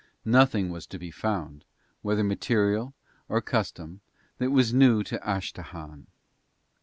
Nothing was to be found, whether material or custom, that was new in Astahahn.